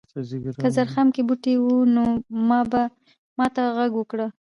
که زرخم کې بوټي و نو بیا ماته غږ وکړه.